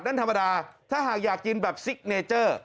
นั่นธรรมดาถ้าหากอยากกินแบบซิกเนเจอร์